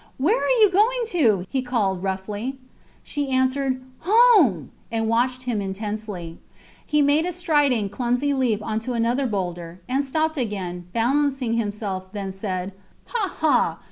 Where are you going to? he called, roughly. She answered, Home! and watched him intensely. He made a striding, clumsy leap on to another boulder, and stopped again, balancing himself, then said Ha! ha!